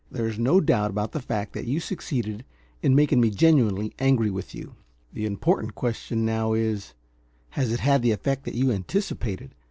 "There is no doubt about the fact that you succeeded in making me genuinely angry with you; the important question now is, has it had the effect that you anticipated?